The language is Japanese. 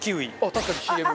確かに、ＣＭ。